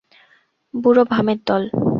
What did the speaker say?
বুড়ো ভামের দল।